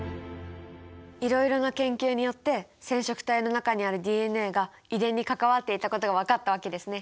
いろいろな研究によって染色体の中にあるＤＮＡが遺伝に関わっていたことが分かったわけですね。